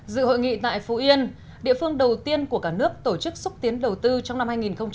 dự hội nghị tại phú yên địa phương đầu tiên của cả nước tổ chức xúc tiến đầu tư trong năm hai nghìn hai mươi